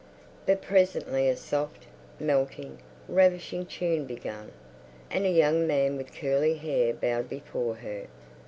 But presently a soft, melting, ravishing tune began, and a young man with curly hair bowed before her.